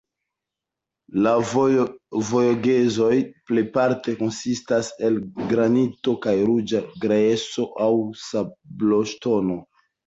La Vogezoj plejparte konsistas el granito kaj ruĝa grejso aŭ sabloŝtono.